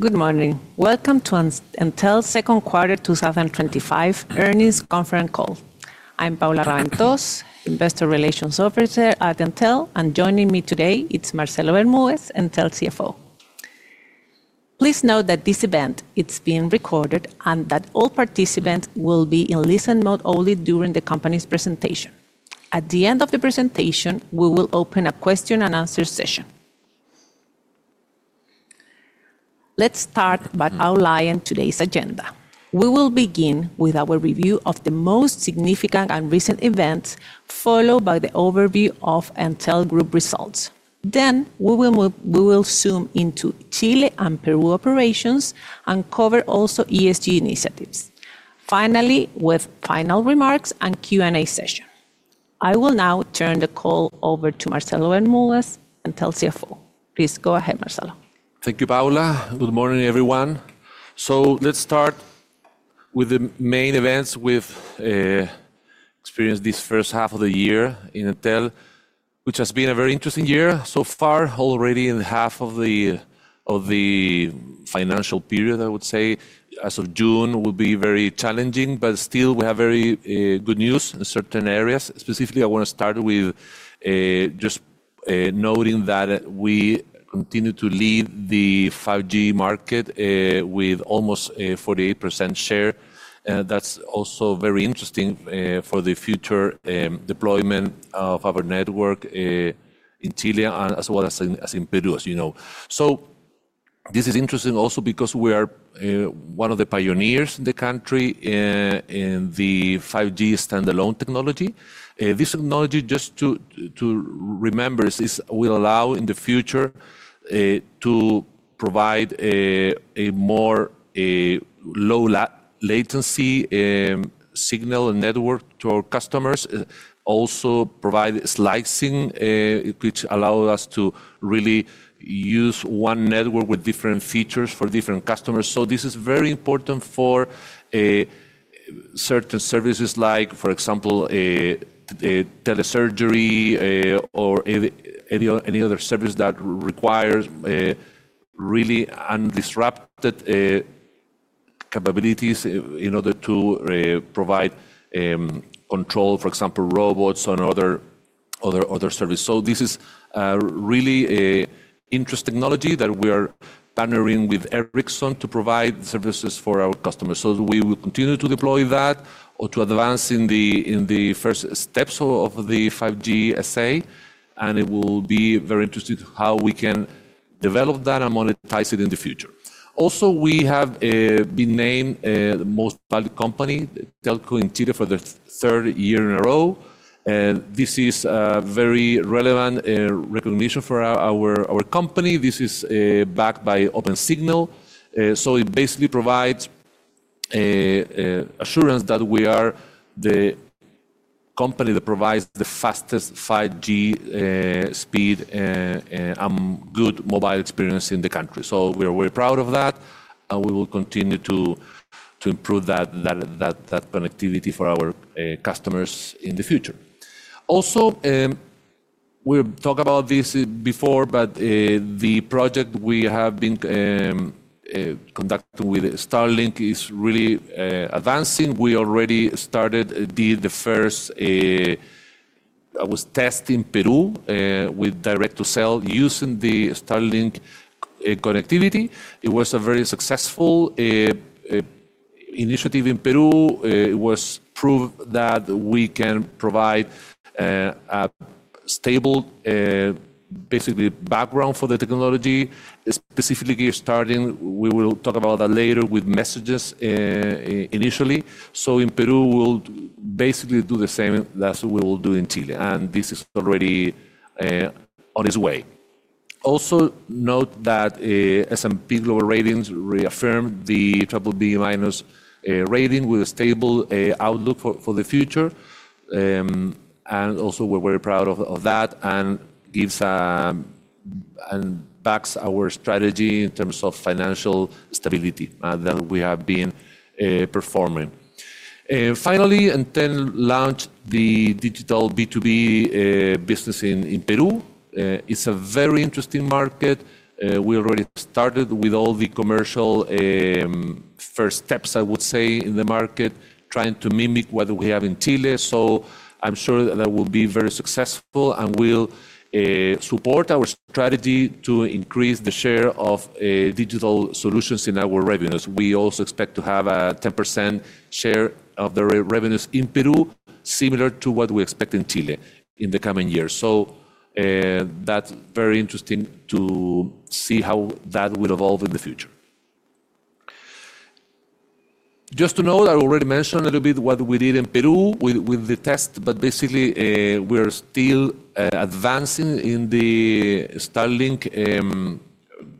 Good morning. Welcome to Entel's Second Quarter 2025 Earnings Conference Call. I'm Paula Raventós, Investor Relations Officer at Entel, and joining me today is Marcelo Bermúdez, Entel CFO. Please note that this event is being recorded and that all participants will be in listen mode only during the company's presentation. At the end of the presentation, we will open a question and answer session. Let's start by outlining today's agenda. We will begin with our review of the most significant and recent events, followed by the overview of Entel Group results. Then we will zoom into Chile and Peru operations and cover also ESG initiatives. Finally, with final remarks and Q&A session. I will now turn the call over to Marcelo Bermúdez, Entel CFO. Please go ahead, Marcelo. Thank you, Paula. Good morning, everyone. Let's start with the main events we've experienced this first half of the year in Entel, which has been a very interesting year so far, already in the half of the financial period. I would say as of June will be very challenging, but still we have very good news in certain areas. Specifically, I want to start with just noting that we continue to lead the 5G market with almost a 48% share. That's also very interesting for the future deployment of our network in Chile, as well as in Peru, as you know. This is interesting also because we are one of the pioneers in the country in the 5G standalone technology. This technology, just to remember, will allow in the future to provide a more low latency signal and network to our customers. Also provide slicing, which allows us to really use one network with different features for different customers. This is very important for certain services like, for example, telesurgery or any other service that requires really undisrupted capabilities in order to provide control, for example, robots and other services. This is a really interesting technology that we are partnering with Ericsson to provide services for our customers. We will continue to deploy that or to advance in the first steps of the 5G SA, and it will be very interesting how we can develop that and monetize it in the future. Also, we have been named the most valued company, the Telco in Chile, for the third year in a row. This is a very relevant recognition for our company. This is backed by Opensignal. It basically provides assurance that we are the company that provides the fastest 5G speed and good mobile experience in the country. We are very proud of that, and we will continue to improve that connectivity for our customers in the future. We've talked about this before, but the project we have been conducting with Starlink is really advancing. We already started the first, I was testing Peru with direct-to-cell using the Starlink connectivity. It was a very successful initiative in Peru. It was proved that we can provide a stable, basically, background for the technology. Specifically, starting, we will talk about that later with messages initially. In Peru, we'll basically do the same as we will do in Chile, and this is already on its way. Also, note that S&P Global Ratings reaffirmed the BBB Minus rating with a stable outlook for the future. We're very proud of that and it backs our strategy in terms of financial stability that we have been performing. Finally, Entel launched the digital B2B business in Peru. It's a very interesting market. We already started with all the commercial first steps in the market, trying to mimic what we have in Chile. I'm sure that will be very successful and will support our strategy to increase the share of digital solutions in our revenues. We also expect to have a 10% share of the revenues in Peru, similar to what we expect in Chile in the coming years. It's very interesting to see how that will evolve in the future. Just to know, I already mentioned a little bit what we did in Peru with the test, but basically, we're still advancing in the Starlink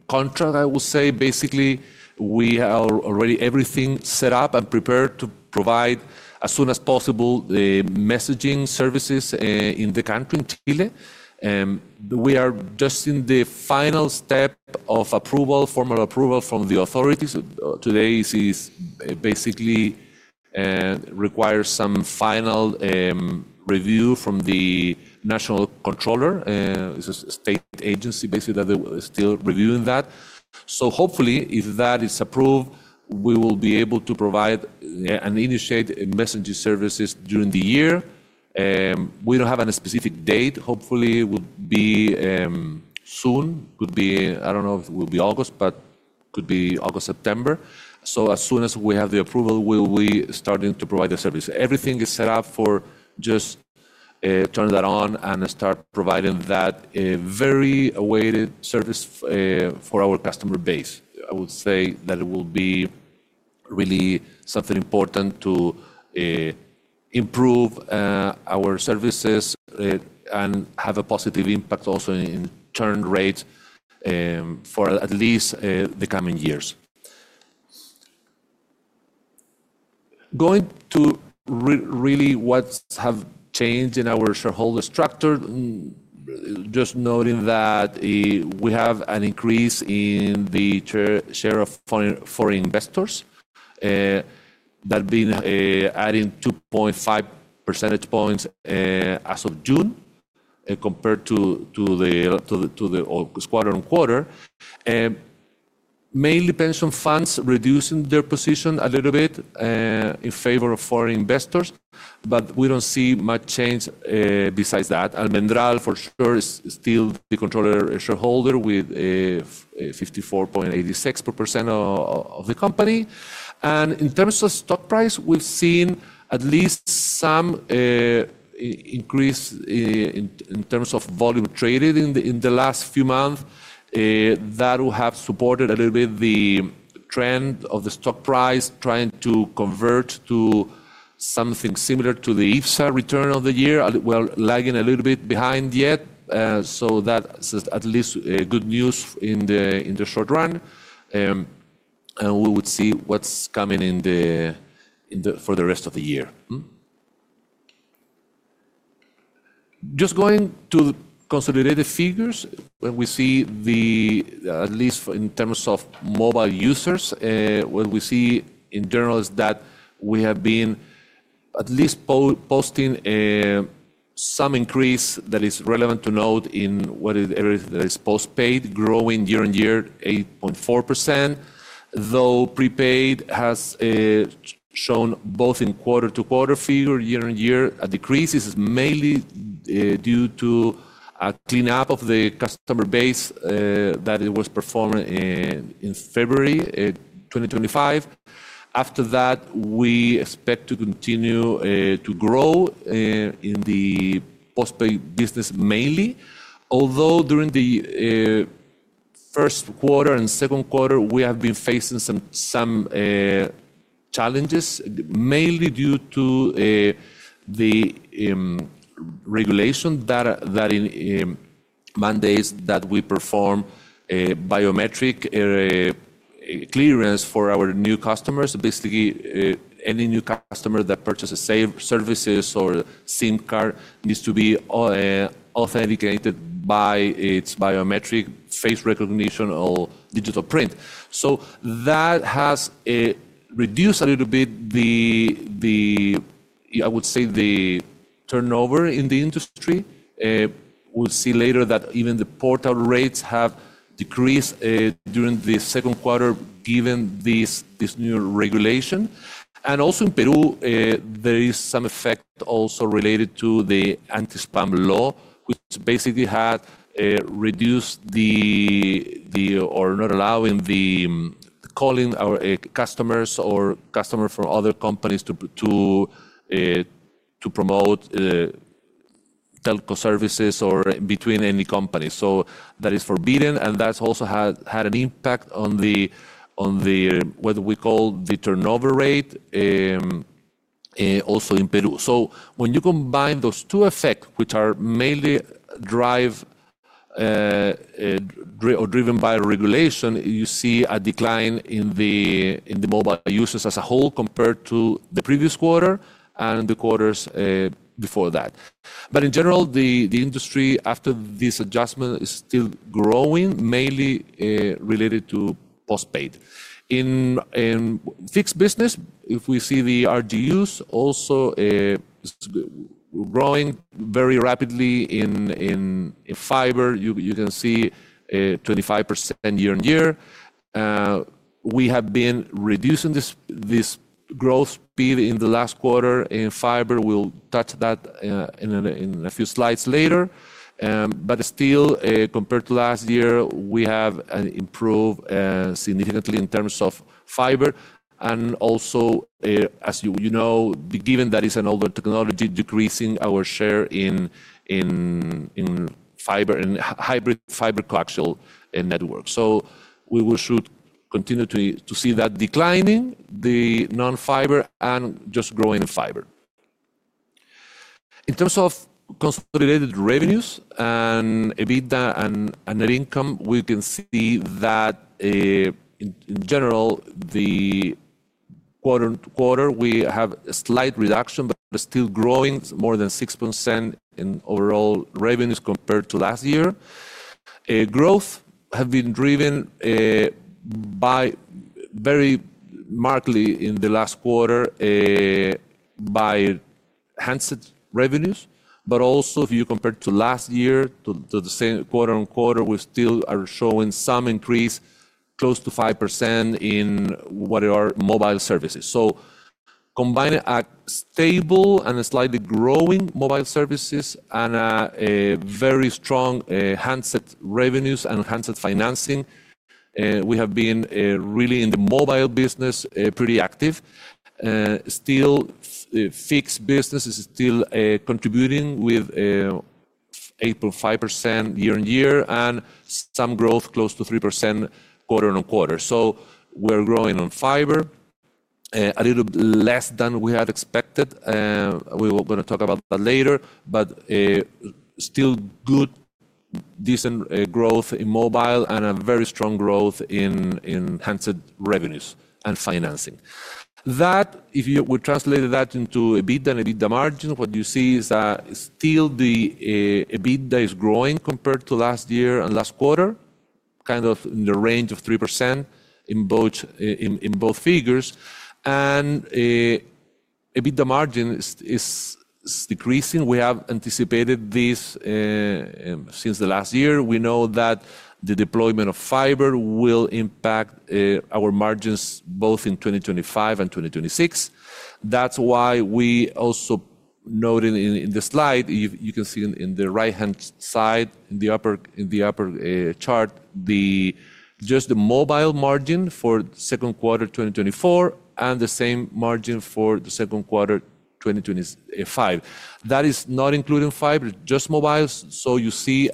contract, that we said, basically. We have already everything set up and prepared to provide, as soon as possible, the messaging services in the country, in Chile. We are just in the final step of approval, formal approval from the authorities. Today it basically requires some final review from the National Controller. It's a state agency that is still reviewing that. Hopefully, if that is approved, we will be able to provide and initiate messaging services during the year. We don't have a specific date. Hopefully, it would be soon. It could be, I don't know if it will be August, but it could be August, September. As soon as we have the approval, we'll be starting to provide the service. Everything is set up to just turn that on and start providing that very awaited service for our customer base. It will be really something important to improve our services and have a positive impact also in churn rates for at least the coming years. Going to what has changed in our shareholder structure, just noting that we have an increase in the share of foreign investors. That's been adding 2.5 percentage points as of June compared to the August quarter-on-quarter. Mainly, pension funds reducing their position a little bit in favor of foreign investors, but we don't see much change besides that. Almendral is still the controller shareholder with 54.86% of the company. In terms of stock price, we've seen at least some increase in terms of volume traded in the last few months. That has supported a little bit the trend of the stock price trying to convert to something similar to the IBSA return of the year. We're lagging a little bit behind yet. That's at least good news in the short run. We would see what's coming in for the rest of the year. Just going to consolidate the figures, when we see the, at least in terms of mobile users, what we see in general is that we have been at least posting some increase that is relevant to note in what is postpaid, growing year-on-year, 8.4%. Though prepaid has shown both in quarter-to-quarter figure, year-on-year. A decrease is mainly due to a cleanup of the customer base that it was performing in February 2025. After that, we expect to continue to grow in the postpaid business mainly. Although during the first quarter and second quarter, we have been facing some challenges, mainly due to the regulation that mandates that we perform biometric clearance for our new customers. Basically, any new customer that purchases same services or SIM card needs to be authenticated by its biometric face recognition or digital print. That has reduced a little bit the, I would say, the turnover in the industry. We'll see later that even the portal rates have decreased during the second quarter, given this new regulation. Also in Peru, there is some effect also related to the anti-spam law, which basically had reduced the or not allowing the calling our customers or customers from other companies to promote telco services or between any companies. That is forbidden, and that's also had an impact on the, what we call, the turnover rate also in Peru. When you combine those two effects, which are mainly driven by regulation, you see a decline in the mobile users as a whole compared to the previous quarter and the quarters before that. In general, the industry after this adjustment is still growing, mainly related to postpaid. In fixed business, if we see the RDUs also growing very rapidly in fiber, you can see 25% year-on-year. We have been reducing this growth speed in the last quarter in fiber. We'll touch that in a few slides later. Still, compared to last year, we have improved significantly in terms of fiber. Also, as you know, given that it's an older technology, decreasing our share in fiber and hybrid fiber coaxial networks. We will continue to see that declining, the non-fiber and just growing in fiber. In terms of consolidated revenues and EBITDA and net income, we can see that in general, the quarter-to-quarter, we have a slight reduction, but still growing more than 6% in overall revenues compared to last year. Growth has been driven very markedly in the last quarter by handset revenues. Also, if you compare to last year, to the same quarter-on-quarter, we still are showing some increase, close to 5% in what are mobile services. Combining a stable and slightly growing mobile services and a very strong handset revenues and handset financing, we have been really in the mobile business pretty active. Fixed business is still contributing with 8.5% year-on-year and some growth close to 3% quarter-on-quarter. We're growing on fiber a little less than we had expected. We're going to talk about that later, but still good, decent growth in mobile and a very strong growth in handset revenues and financing. If you would translate that into EBITDA and EBITDA margin, what you see is that still the EBITDA is growing compared to last year and last quarter, kind of in the range of 3% in both figures. EBITDA margin is decreasing. We have anticipated this since last year. We know that the deployment of fiber will impact our margins both in 2025 and 2026. That's why we also noted in the slide, you can see in the right-hand side in the upper chart, just the mobile margin for the second quarter 2024 and the same margin for the second quarter 2025. That is not including fiber, just mobile. You see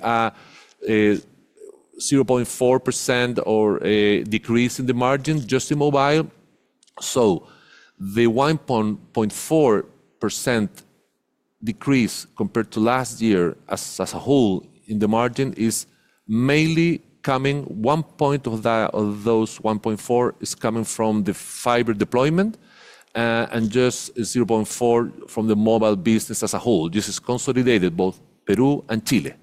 a 0.4% or a decrease in the margin just in mobile. The 1.4% decrease compared to last year as a whole in the margin is mainly coming, one point of those 1.4% is coming from the fiber deployment and just 0.4% from the mobile business as a whole. This is consolidated both Peru and Chile.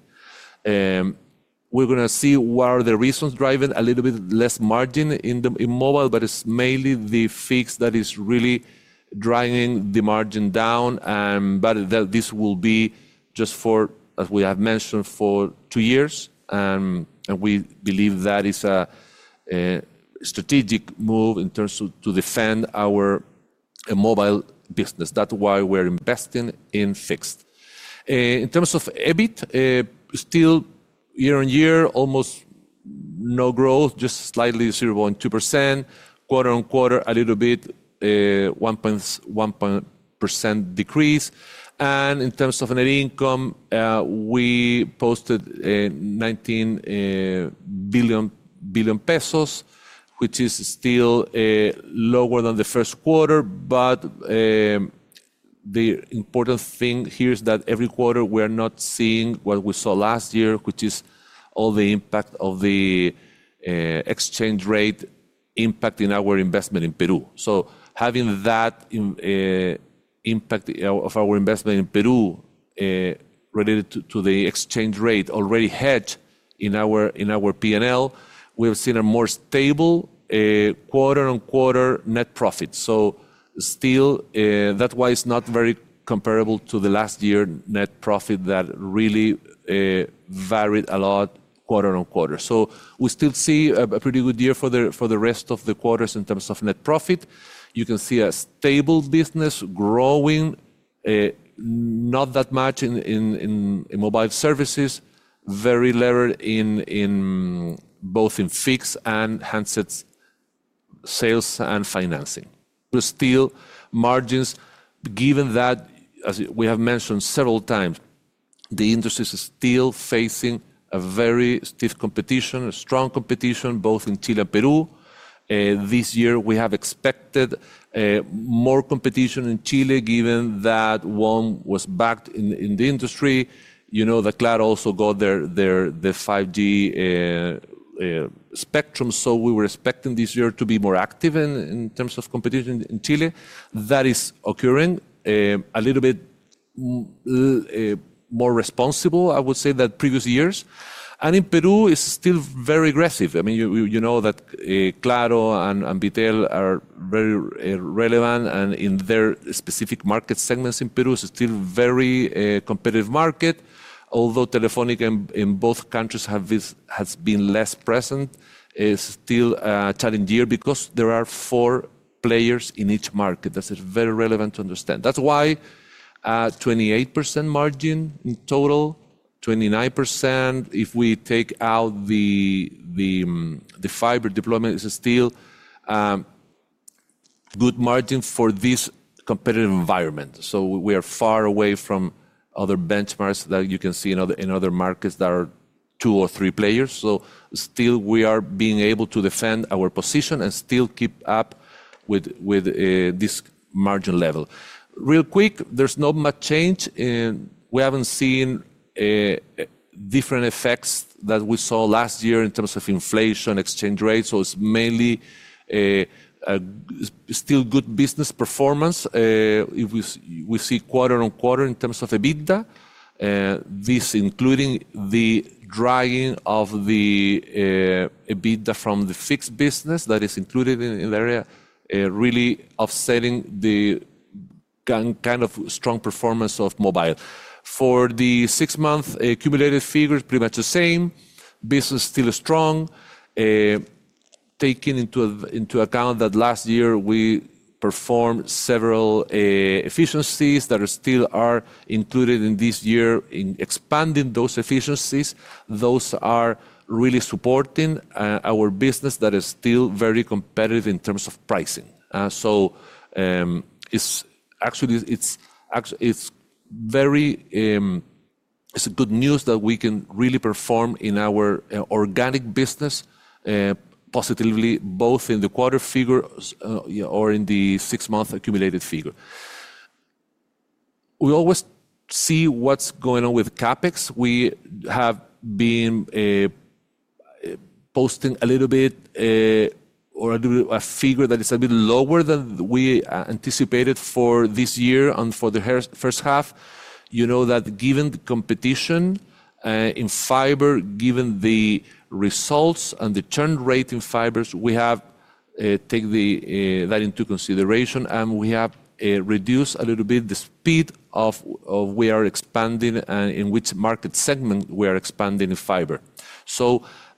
We're going to see what are the reasons driving a little bit less margin in mobile, but it's mainly the fixed that is really dragging the margin down. This will be just for, as we have mentioned, for two years. We believe that is a strategic move in terms of to defend our mobile business. That's why we're investing in fixed. In terms of EBIT, still year-on-year, almost no growth, just slightly 0.2%. Quarter-on-quarter, a little bit 1% decrease. In terms of net income, we posted 19 billion pesos, which is still lower than the first quarter. The important thing here is that every quarter we are not seeing what we saw last year, which is all the impact of the exchange rate impacting our investment in Peru. Having that impact of our investment in Peru related to the exchange rate already hedged in our P&L, we have seen a more stable quarter-on-quarter net profit. That is why it's not very comparable to the last year net profit that really varied a lot quarter-on-quarter. We still see a pretty good year for the rest of the quarters in terms of net profit. You can see a stable business growing, not that much in mobile services, very levered in both in fixed and handset sales and financing. Margins, given that, as we have mentioned several times, the industry is still facing very stiff competition, a strong competition both in Chile and Peru. This year, we have expected more competition in Chile, given that one was backed in the industry. You know that Claro also got their 5G spectrum. We were expecting this year to be more active in terms of competition in Chile. That is occurring a little bit more responsible, I would say, than previous years. In Peru, it's still very aggressive. You know that Claro and Bitel are very relevant in their specific market segments. In Peru, it's still a very competitive market. Although Telefónica in both countries has been less present, it's still a challenging year because there are four players in each market. That's very relevant to understand. That's why 28% margin in total, 29% if we take out the fiber deployment, is still a good margin for this competitive environment. We are far away from other benchmarks that you can see in other markets that are two or three players. We are being able to defend our position and still keep up with this margin level. Real quick, there's not much change. We haven't seen different effects that we saw last year in terms of inflation, exchange rates. It's mainly still good business performance. If we see quarter-on-quarter in terms of EBITDA, this is including the dragging of the EBITDA from the fixed business that is included in the area, really offsetting the kind of strong performance of mobile. For the six-month accumulated figures, pretty much the same. Business is still strong. Taking into account that last year we performed several efficiencies that still are included in this year in expanding those efficiencies, those are really supporting our business that is still very competitive in terms of pricing. It's actually, it's very good news that we can really perform in our organic business positively both in the quarter figure or in the six-month accumulated figure. We always see what's going on with CapEx. We have been posting a little bit or a figure that is a bit lower than we anticipated for this year and for the first half. You know that given the competition in fiber, given the results and the churn rate in fibers, we have taken that into consideration and we have reduced a little bit the speed of we are expanding and in which market segment we are expanding in fiber.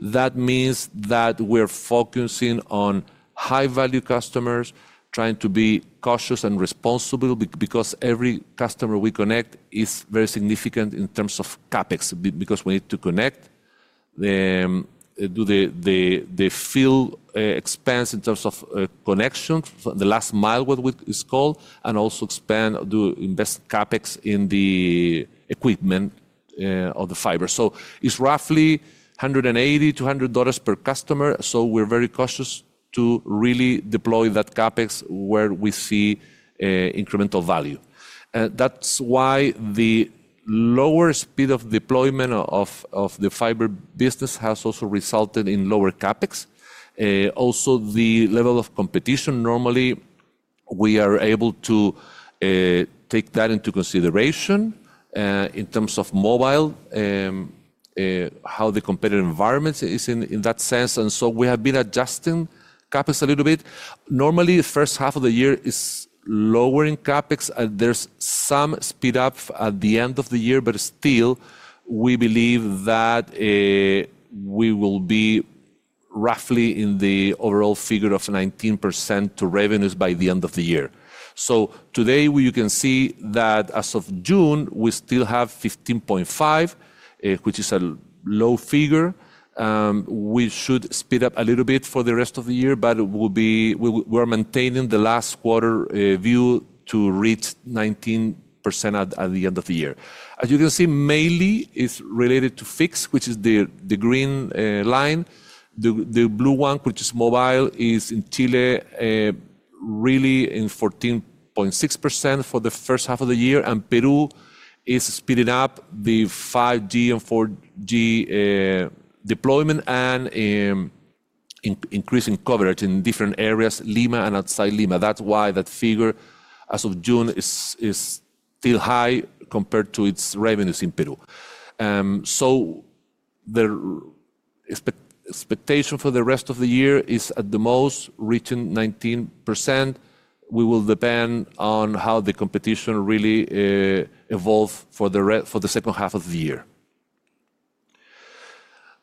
That means that we're focusing on high-value customers, trying to be cautious and responsible because every customer we connect is very significant in terms of CapEx because we need to connect, do the fill expense in terms of connections, the last mile what it's called, and also expand or do invest CapEx in the equipment of the fiber. It's roughly $180-$100 per customer. We're very cautious to really deploy that CapEx where we see incremental value. That's why the lower speed of deployment of the fiber business has also resulted in lower CapEx. Also, the level of competition, normally, we are able to take that into consideration in terms of mobile, how the competitive environment is in that sense. We have been adjusting CapEx a little bit. Normally, the first half of the year is lower in CapEx. There's some speed up at the end of the year, but still, we believe that we will be roughly in the overall figure of 19% to revenues by the end of the year. Today, you can see that as of June, we still have 15.5%, which is a low figure. We should speed up a little bit for the rest of the year, but we are maintaining the last quarter view to reach 19% at the end of the year. As you can see, mainly it's related to fixed, which is the green line. The blue one, which is mobile, is in Chile really in 14.6% for the first half of the year. Peru is speeding up the 5G and 4G deployment and increasing coverage in different areas, Lima and outside Lima. That's why that figure as of June is still high compared to its revenues in Peru. The expectation for the rest of the year is at the most reaching 19%. We will depend on how the competition really evolves for the second half of the year.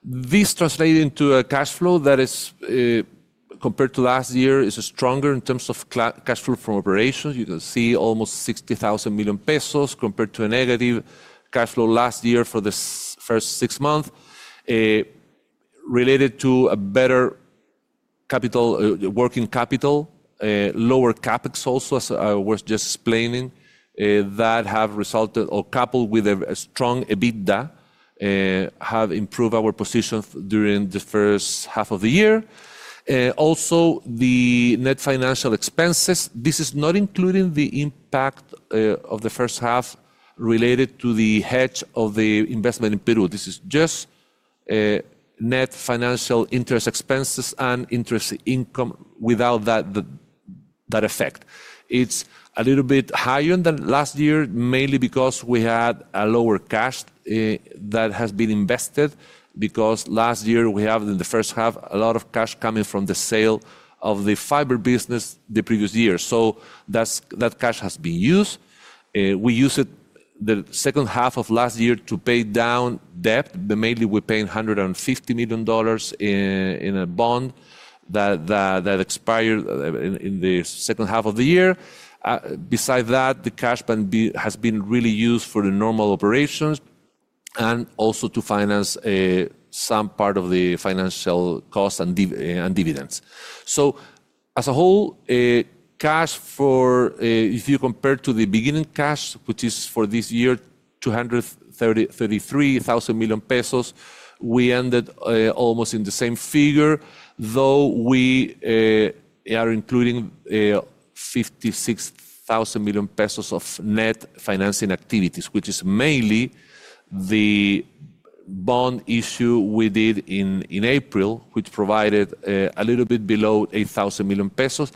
This translates into a cash flow that, compared to last year, is stronger in terms of cash flow from operations. You can see almost 60,000 million pesos compared to a negative cash flow last year for the first six months related to a better working capital, lower CapEx also, as I was just explaining, that have resulted or coupled with a strong EBITDA have improved our position during the first half of the year. Also, the net financial expenses, this is not including the impact of the first half related to the hedge of the investment in Peru. This is just net financial interest expenses and interest income without that effect. It's a little bit higher than last year, mainly because we had a lower cash that has been invested because last year we have in the first half a lot of cash coming from the sale of the fiber business the previous year. That cash has been used. We used it the second half of last year to pay down debt, but mainly we're paying $150 million in a bond that expired in the second half of the year. Besides that, the cash has been really used for the normal operations and also to finance some part of the financial costs and dividends. As a whole, cash for if you compare to the beginning cash, which is for this year 233,000 million pesos, we ended almost in the same figure, though we are including 56,000 million pesos of net financing activities, which is mainly the bond issue we did in April, which provided a little bit below 8,000 million pesos.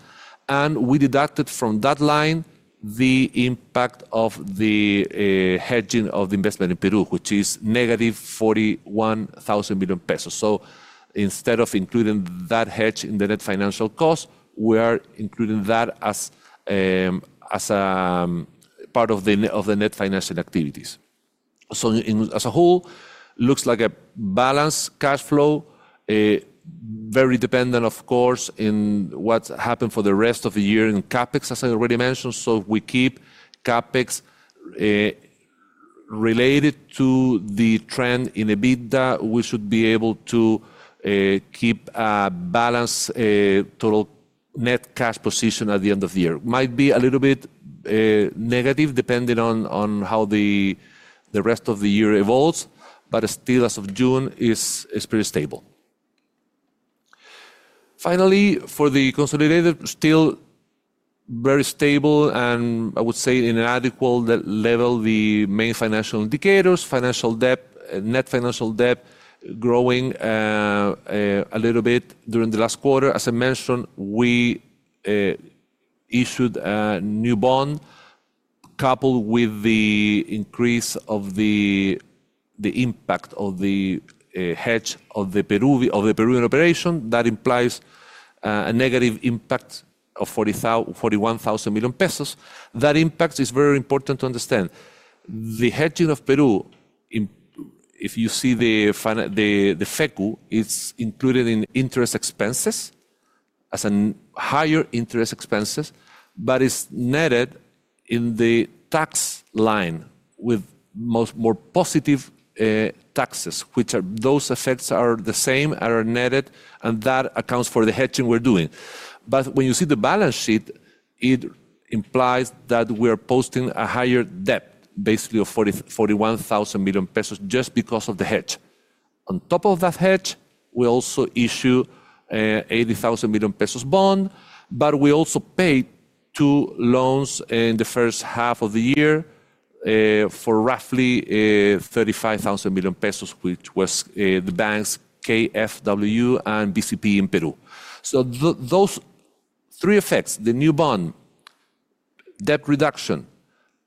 We deducted from that line the impact of the hedging of the investment in Peru, which is negative 41,000 million pesos. Instead of including that hedge in the net financial costs, we are including that as part of the net financial activities. As a whole, it looks like a balanced cash flow, very dependent, of course, on what happens for the rest of the year in CapEx, as I already mentioned. If we keep CapEx related to the trend in EBITDA, we should be able to keep a balanced total net cash position at the end of the year. It might be a little bit negative depending on how the rest of the year evolves, but still, as of June, it's pretty stable. Finally, for the consolidated, still very stable and I would say at an adequate level, the main financial indicators, financial debt, net financial debt growing a little bit during the last quarter. As I mentioned, we issued a new bond coupled with the increase of the impact of the hedge of the Peruvian operation. That implies a negative impact of 41,000 million pesos. That impact is very important to understand. The hedging of Peru, if you see the FECU, it's included in interest expenses as in higher interest expenses, but it's netted in the tax line with more positive taxes, which are those effects that are the same, are netted, and that accounts for the hedging we're doing. When you see the balance sheet, it implies that we are posting a higher debt, basically of 41,000 million pesos, just because of the hedge. On top of that hedge, we also issue a 80,000 million pesos bond, but we also pay two loans in the first half of the year for roughly 35,000 million pesos, which was the banks KFW and BCP in Peru. Those three effects, the new bond, debt reduction,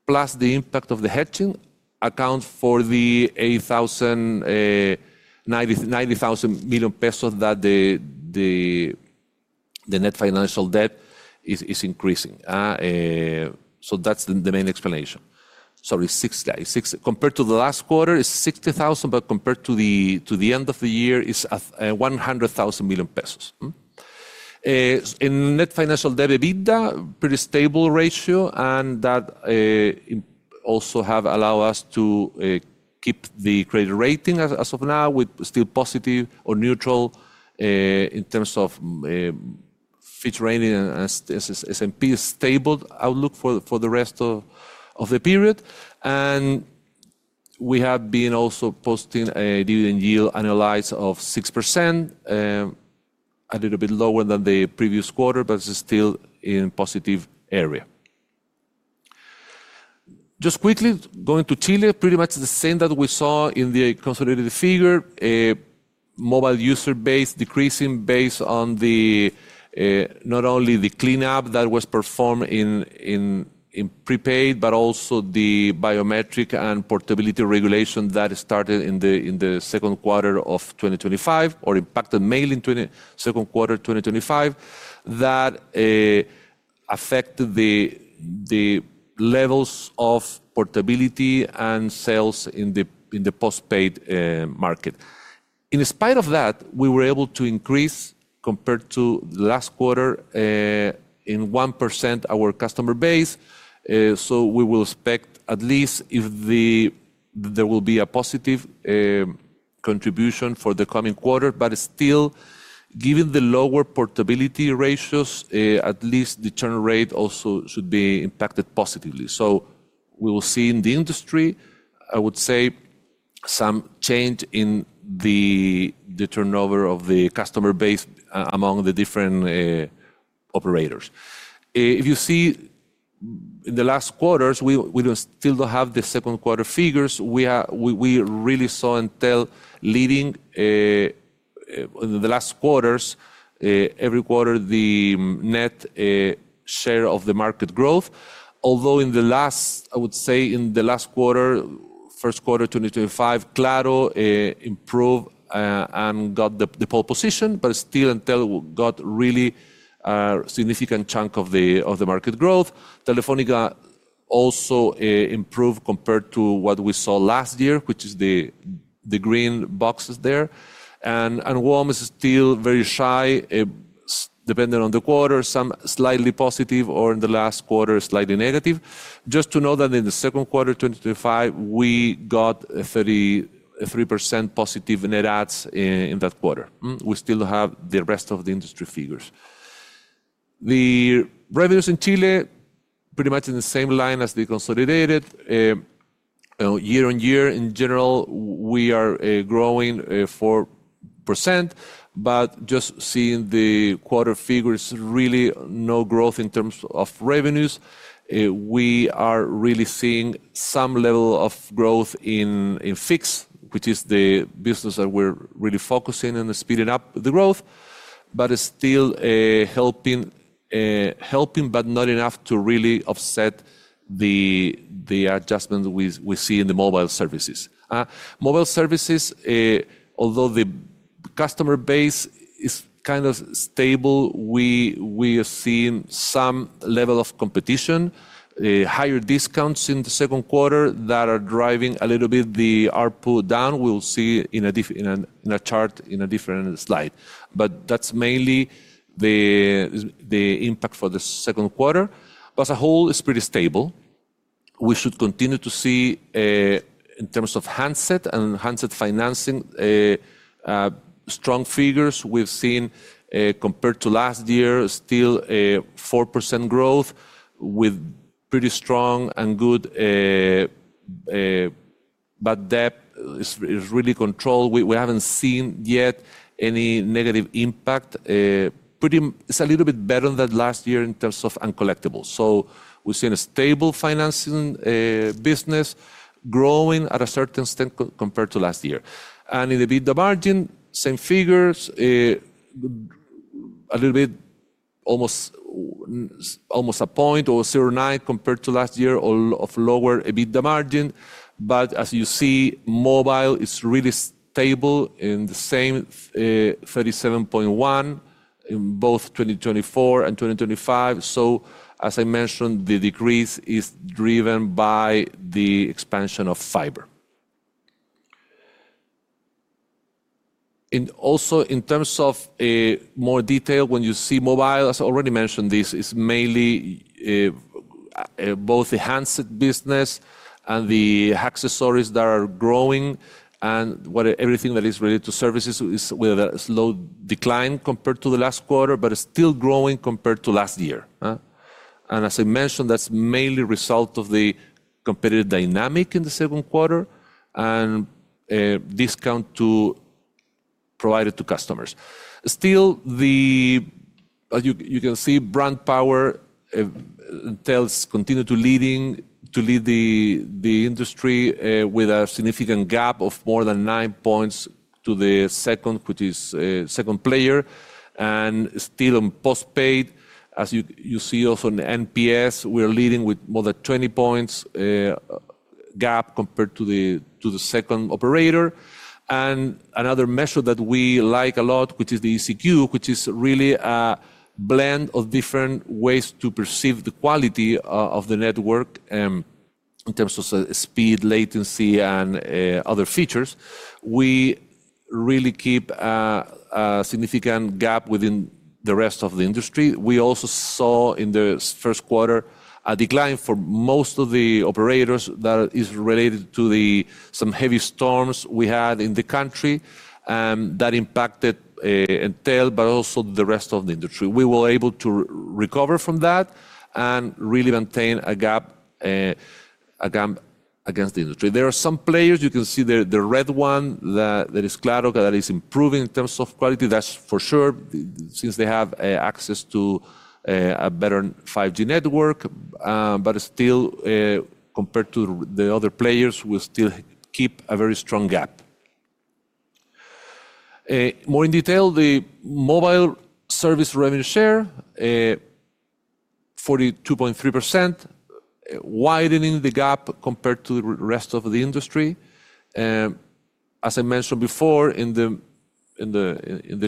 plus the impact of the hedging account for the 90,000 million pesos that the net financial debt is increasing. That's the main explanation. Sorry, compared to the last quarter, it's 60,000 million, but compared to the end of the year, it's 100,000 million pesos. Net financial debt EBITDA, pretty stable ratio, and that also has allowed us to keep the credit rating as of now with still positive or neutral in terms of Fitch rating and S&P stable outlook for the rest of the period. We have been also posting a dividend yield annualized of 6%, a little bit lower than the previous quarter, but it's still in a positive area. Quickly going to Chile, pretty much the same that we saw in the consolidated figure. Mobile user base decreasing based on not only the cleanup that was performed in prepaid, but also the biometric and portability regulation that started in the second quarter of 2025 or impacted mainly in the second quarter of 2025 that affected the levels of portability and sales in the postpaid market. In spite of that, we were able to increase compared to the last quarter in 1% our customer base. We will expect at least if there will be a positive contribution for the coming quarter. Given the lower portability ratios, at least the churn rate also should be impacted positively. We will see in the industry, I would say, some change in the turnover of the customer base among the different operators. If you see in the last quarters, we still don't have the second quarter figures. We really saw Entel leading in the last quarters, every quarter, the net share of the market growth. Although in the last, I would say, in the last quarter, first quarter 2025, Claro improved and got the pole position, but still Entel got a really significant chunk of the market growth. Telefónica also improved compared to what we saw last year, which is the green boxes there. And Walmart is still very shy, depending on the quarter, some slightly positive or in the last quarter slightly negative. Just to note that in the second quarter 2025, we got a 33% positive net adds in that quarter. We still have the rest of the industry figures. The revenues in Chile, pretty much in the same line as the consolidated. Year on year, in general, we are growing 4%, but just seeing the quarter figures, really no growth in terms of revenues. We are really seeing some level of growth in fixed, which is the business that we're really focusing on speeding up the growth, but still helping, but not enough to really offset the adjustment we see in the mobile services. Mobile services, although the customer base is kind of stable, we are seeing some level of competition, higher discounts in the second quarter that are driving a little bit the ARPU down. We'll see in a chart in a different slide. That is mainly the impact for the second quarter. As a whole, it's pretty stable. We should continue to see in terms of handset and handset financing, strong figures we've seen compared to last year, still 4% growth with pretty strong and good, but debt is really controlled. We haven't seen yet any negative impact. It's a little bit better than last year in terms of uncollectibles. We're seeing a stable financing business growing at a certain extent compared to last year. In the EBITDA margin, same figures, a little bit almost a point or 0.9 compared to last year, all of lower EBITDA margin. As you see, mobile is really stable in the same 37.1 in both 2024 and 2025. As I mentioned, the decrease is driven by the expansion of fiber. In terms of more detail, when you see mobile, as I already mentioned, this is mainly both the handset business and the accessories that are growing. Everything that is related to services is with a slow decline compared to the last quarter, but still growing compared to last year. As I mentioned, that's mainly a result of the competitive dynamic in the second quarter and discount provided to customers. Still, as you can see, brand power Entel is continuing to lead the industry with a significant gap of more than nine points to the second, which is a second player. Still on postpaid, as you see also in NPS, we're leading with more than 20 points gap compared to the second operator. Another measure that we like a lot, which is the ECQ, which is really a blend of different ways to perceive the quality of the network in terms of speed, latency, and other features. We really keep a significant gap within the rest of the industry. We also saw in the first quarter a decline for most of the operators that is related to some heavy storms we had in the country that impacted Entel, but also the rest of the industry. We were able to recover from that and really maintain a gap against the industry. There are some players, you can see the red one that is Claro that is improving in terms of quality. That's for sure since they have access to a better 5G network. Still, compared to the other players, we still keep a very strong gap. More in detail, the mobile service revenue share, 42.3%, widening the gap compared to the rest of the industry. As I mentioned before, in the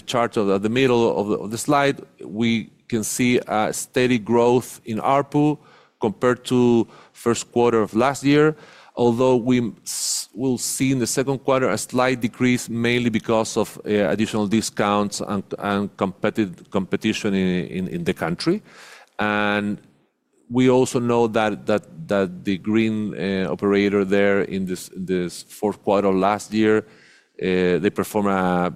chart at the middle of the slide, we can see a steady growth in ARPU compared to the first quarter of last year, although we will see in the second quarter a slight decrease mainly because of additional discounts and competition in the country. We also know that the green operator there in this fourth quarter of last year, they performed a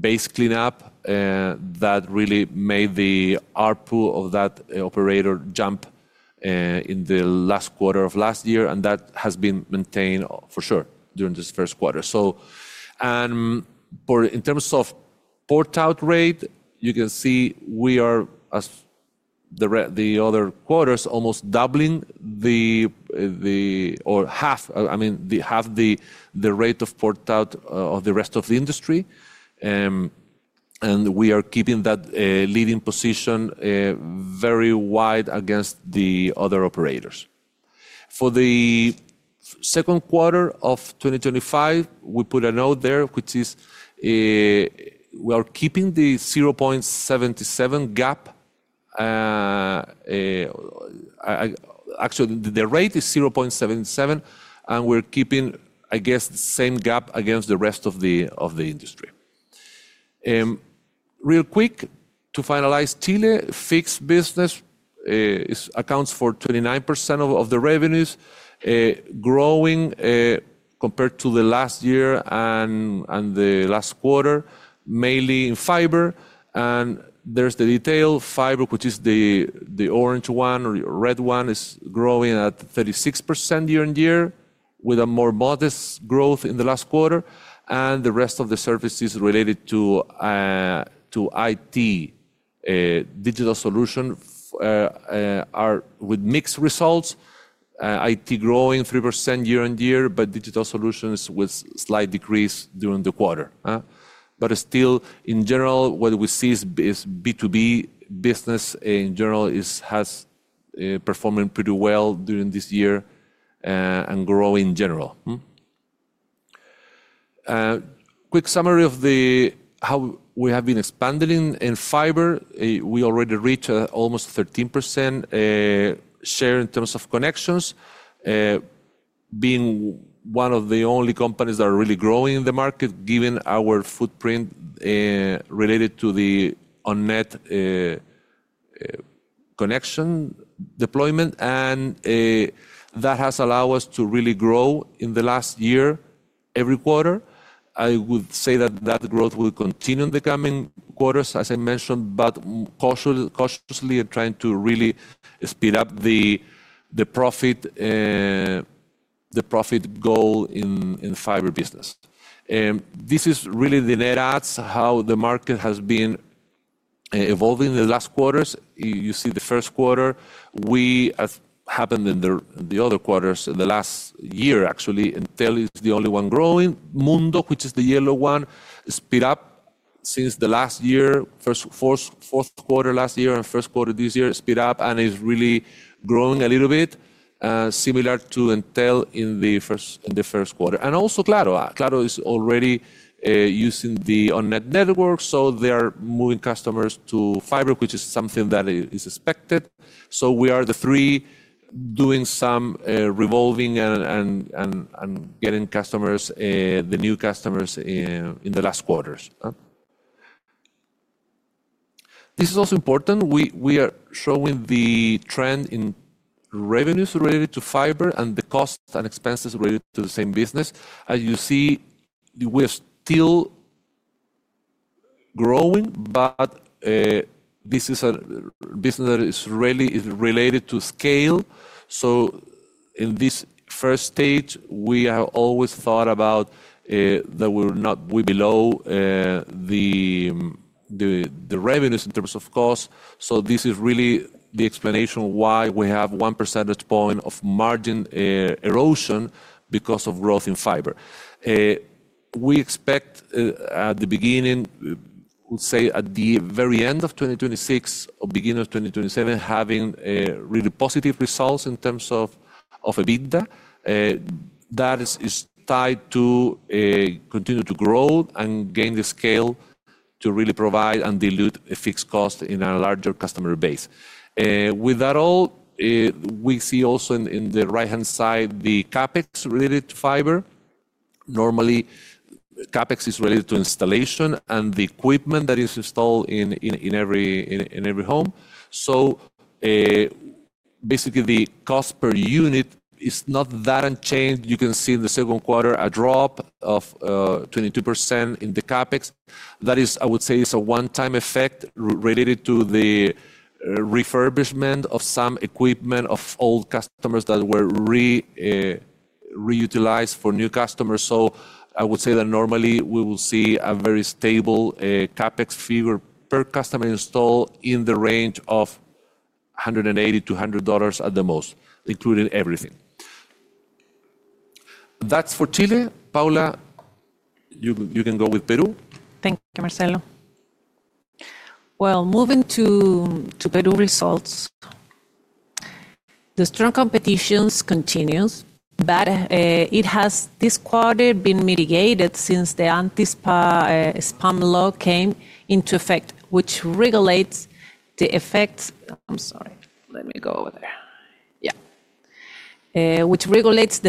base cleanup that really made the ARPU of that operator jump in the last quarter of last year. That has been maintained for sure during this first quarter. In terms of port out rate, you can see we are, as the other quarters, almost doubling the or half, I mean, half the rate of port out of the rest of the industry. We are keeping that leading position very wide against the other operators. For the second quarter of 2025, we put a note there, which is we are keeping the 0.77 gap. Actually, the rate is 0.77, and we're keeping, I guess, the same gap against the rest of the industry. Real quick, to finalize, Chile fixed business accounts for 29% of the revenues, growing compared to the last year and the last quarter, mainly in fiber. There's the detail. Fiber, which is the orange one or your red one, is growing at 36% year-on-year, with a more modest growth in the last quarter. The rest of the services related to IT, digital solutions, are with mixed results. IT growing 3% year-on-year, but digital solutions with a slight decrease during the quarter. In general, what we see is B2B business in general is performing pretty well during this year and growing in general. Quick summary of how we have been expanding in fiber. We already reached almost a 13% share in terms of connections, being one of the only companies that are really growing in the market, given our footprint related to the on-net connection deployment. That has allowed us to really grow in the last year every quarter. I would say that that growth will continue in the coming quarters, as I mentioned, but cautiously trying to really speed up the profit goal in the fiber business. This is really the net adds, how the market has been evolving in the last quarters. You see the first quarter, we happened in the other quarters the last year, actually, Entel is the only one growing. Mundo, which is the yellow one, sped up since the last year, first fourth quarter last year and first quarter this year, sped up and is really growing a little bit, similar to Entel in the first quarter. Also, Claro is already using the on-net network. They are moving customers to fiber, which is something that is expected. We are the three doing some revolving and getting customers, the new customers in the last quarters. This is also important. We are showing the trend in revenues related to fiber and the costs and expenses related to the same business. As you see, we are still growing, but this is a business that is really related to scale. In this first stage, we have always thought about that we're not below the revenues in terms of cost. This is really the explanation why we have one percentage point of margin erosion because of growth in fiber. We expect at the beginning, we'll say at the very end of 2026 or beginning of 2027, having really positive results in terms of EBITDA. That is tied to continue to grow and gain the scale to really provide and dilute a fixed cost in our larger customer base. With that all, we see also in the right-hand side the CapEx related to fiber. Normally, CapEx is related to installation and the equipment that is installed in every home. Basically, the cost per unit is not that unchanged. You can see in the second quarter a drop of 22% in the CapEx. That is, I would say, is a one-time effect related to the refurbishment of some equipment of old customers that were reutilized for new customers. I would say that normally we will see a very stable CapEx figure per customer installed in the range of $180-$100 at the most, including everything. That's for Chile. Paula, you can go with Peru. Thank you, Marcelo. Moving to Peru results, the strong competition continues, but it has this quarter been mitigated since the anti-spam law came into effect, which regulates the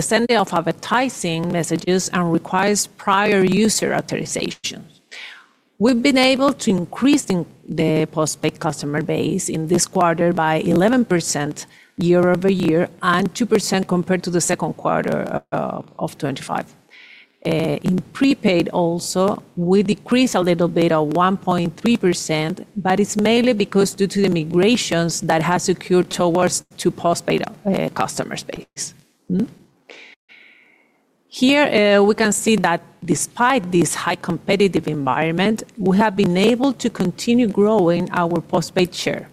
sending of advertising messages and requires prior user authorization. We've been able to increase the postpaid customer base in this quarter by 11% year-over-year and 2% compared to the second quarter of 2025. In prepaid also, we decreased a little bit of 1.3%, but it's mainly because due to the migrations that have secured towards two postpaid customer bases. Here we can see that despite this high competitive environment, we have been able to continue growing our postpaid share.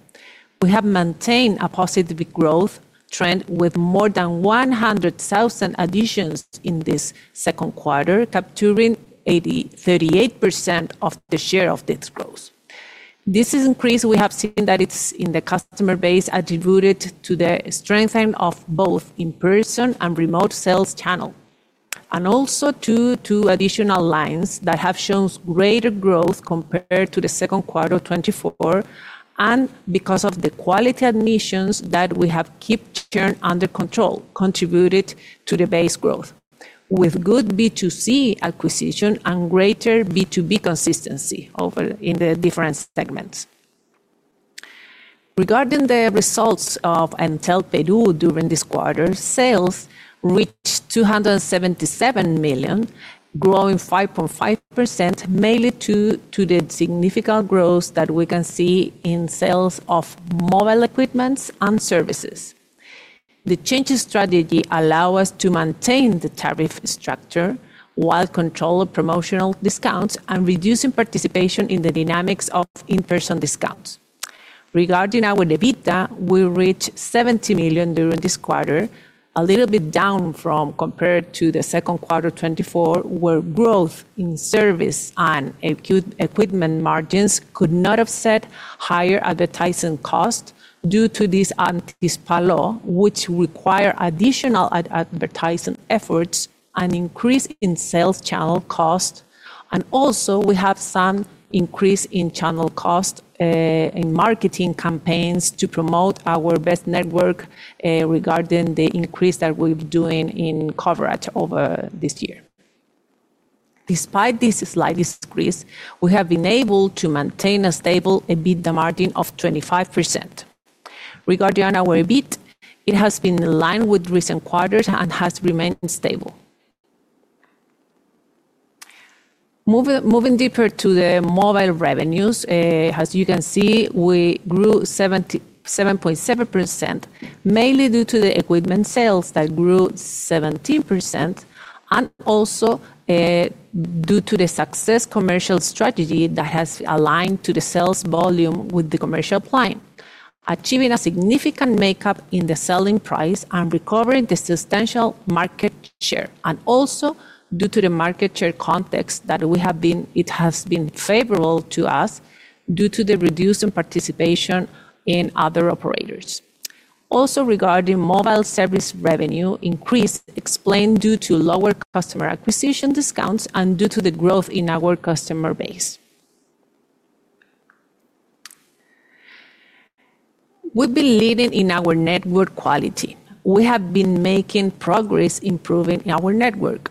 We have maintained a positive growth trend with more than 100,000 additions in this second quarter, capturing 38% of the share of the expose. This increase we have seen that it's in the customer base attributed to the strengthening of both in-person and remote sales channel. Also, two additional lines have shown greater growth compared to the second quarter of 2024, and because of the quality admissions that we have kept churn under control, contributed to the base growth with good B2C acquisition and greater B2B consistency over in the different segments. Regarding the results of Entel Peru during this quarter, sales reached $277 million, growing 5.5%, mainly due to the significant growth that we can see in sales of mobile equipment and services. The changing strategy allows us to maintain the tariff structure while controlling promotional discounts and reducing participation in the dynamics of in-person discounts. Regarding our EBITDA, we reached $70 million during this quarter, a little bit down compared to the second quarter of 2024, where growth in service and equipment margins could not offset higher advertising costs due to this anti-spam law, which requires additional advertising efforts and increase in sales channel costs. Also, we have some increase in channel costs in marketing campaigns to promote our best network regarding the increase that we're doing in coverage over this year. Despite this slight increase, we have been able to maintain a stable EBITDA margin of 25%. Regarding our EBITDA, it has been in line with recent quarters and has remained stable. Moving deeper to the mobile revenues, as you can see, we grew 77.7%, mainly due to the equipment sales that grew 17%, and also due to the successful commercial strategy that has aligned the sales volume with the commercial plan, achieving a significant markup in the selling price and recovering the substantial market share. Also, due to the market share context that we have been in, it has been favorable to us due to the reducing participation in other operators. Also, regarding mobile service revenue increase, explained due to lower customer acquisition discounts and due to the growth in our customer base. We've been leading in our network quality. We have been making progress improving our network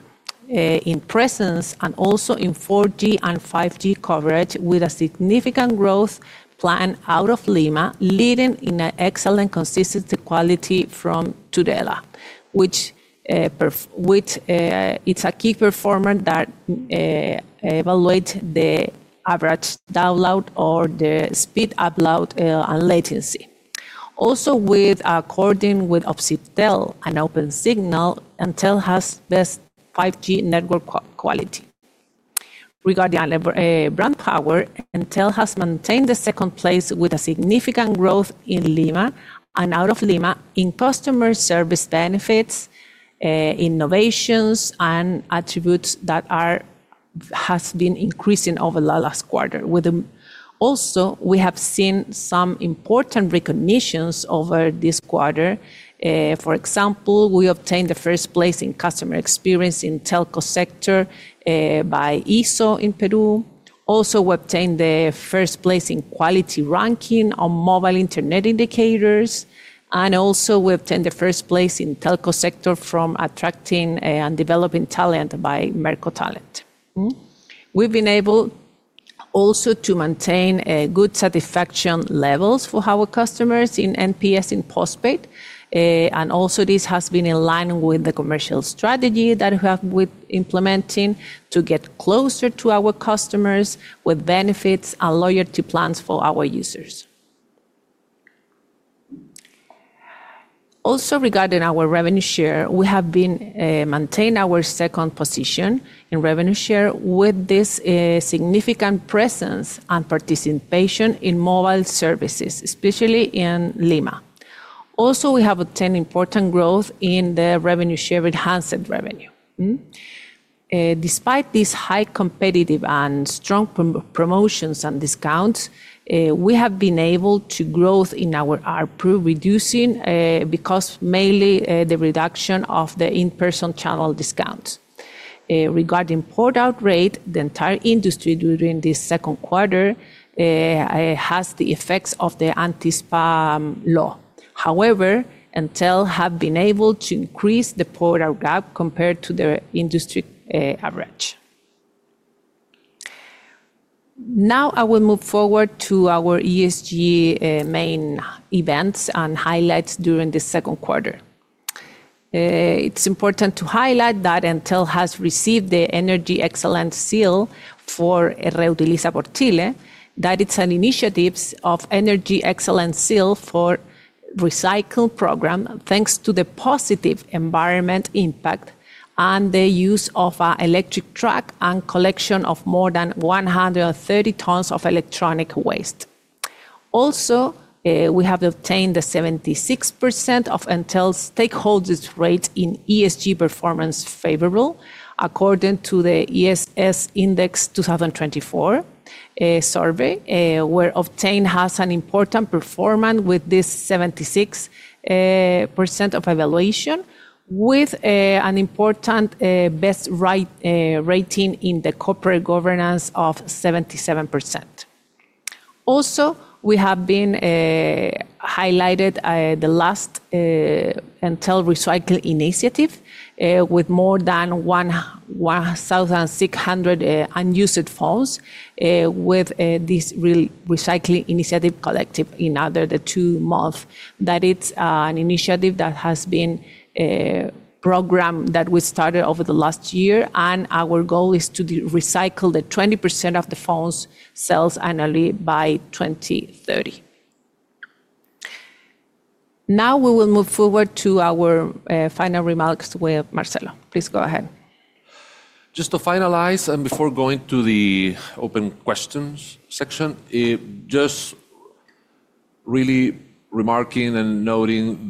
in presence and also in 4G and 5G coverage with a significant growth plan out of Lima, leading in an excellent consistency quality from Tudela, which is a key performer that evaluates the average download or the speed upload and latency. Also, according with Opensignal and Opensignal, Entel has best 5G network quality. Regarding brand power, Entel has maintained the second place with a significant growth in Lima and out of Lima in customer service benefits, innovations, and attributes that have been increasing over the last quarter. Also, we have seen some important recognitions over this quarter. For example, we obtained the first place in customer experience in telco sector by ISO in Peru. Also, we obtained the first place in quality ranking on mobile internet indicators. Also, we obtained the first place in telco sector from attracting and developing talent by Mercotalent. We've been able also to maintain good satisfaction levels for our customers in NPS in postpaid. Also, this has been in line with the commercial strategy that we have been implementing to get closer to our customers with benefits and loyalty plans for our users. Also, regarding our revenue share, we have been maintaining our second position in revenue share with this significant presence and participation in mobile services, especially in Lima. Also, we have obtained important growth in the revenue share with handset revenue. Despite these high competitive and strong promotions and discounts, we have been able to grow in our ARPU, reducing because mainly the reduction of the in-person channel discounts. Regarding port out rate, the entire industry during this second quarter has the effects of the anti-spam laws. However, Entel has been able to increase the port out gap compared to the industry average. Now, I will move forward to our ESG main events and highlights during the second quarter. It's important to highlight that Entel has received the Energy Excellence Seal for Rehutiliza por Chile, that it's an initiative of Energy Excellence Seal for the recycling program, thanks to the positive environmental impact and the use of an electric truck and collection of more than 130 tons of electronic waste. Also, we have obtained the 76% of Entel stakeholders' rate in ESG performance favorable, according to the ESS Index 2024 survey, where obtained has an important performance with this 76% of evaluation, with an important best rating in the corporate governance of 77%. Also, we have been highlighted the last Entel recycling initiative with more than 1,600 unused phones with this recycling initiative collective in under the two months. That is an initiative that has been a program that we started over the last year, and our goal is to recycle the 20% of the phones' cells annually by 2030. Now, we will move forward to our final remarks with Marcelo. Please go ahead. Just to finalize, and before going to the open questions section, just really remarking and noting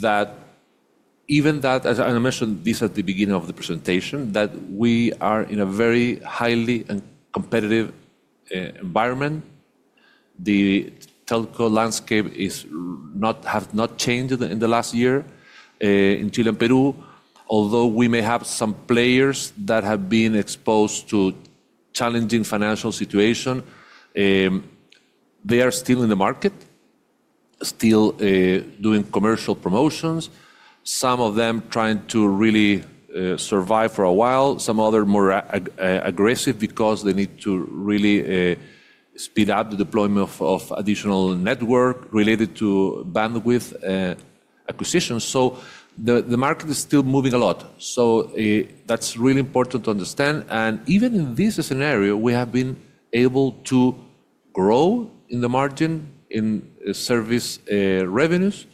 that even that, as I mentioned this at the beginning of the presentation, that we are in a very highly competitive environment. The telco landscape has not changed in the last year in Chile and Peru. Although we may have some players that have been exposed to a challenging financial situation, they are still in the market, still doing commercial promotions. Some of them trying to really survive for a while, some other more aggressive because they need to really speed up the deployment of additional network related to bandwidth acquisitions. The market is still moving a lot. That's really important to understand. Even in this scenario, we have been able to grow in the margin in service revenues,